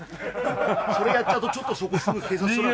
それやっちゃうとちょっとそこすぐ警察署なんで。